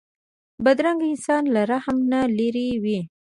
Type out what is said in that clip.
بدرنګه انسان له رحم نه لېرې وي